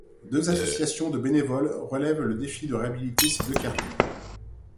Deux associations de bénévoles relèvent le défi de réhabiliter ces deux carrières.